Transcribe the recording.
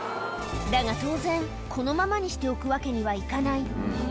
だが当然このままにしておくわけにはいかない